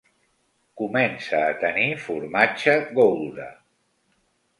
Comença a tenir formatge goulda.